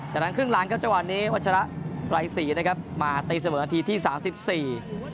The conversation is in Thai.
จากนั้นครึ่งหลังครับจังหวะนี้วัชระไกรศรีนะครับมาตีเสมอนาทีที่สามสิบสี่